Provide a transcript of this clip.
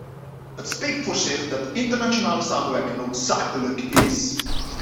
Het spreekt voor zich dat internationale samenwerking noodzakelijk is.